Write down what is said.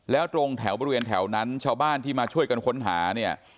แล้วตรงแถวบริเวณแถวนั้นชาวบ้านที่มาช่วยกันค้นหาเนี่ย